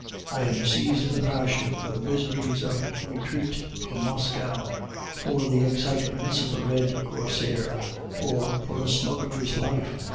I am seized with a passion for the miseries of retreat from Moscow, for the excitements of the Red Corsair, or for a smuggler's life.